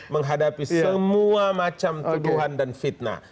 menghadapi semua macam tuduhan dan fitnah